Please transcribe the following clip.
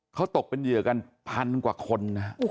เขาตกเป็นเหยื่อกันพันกว่าคนนะ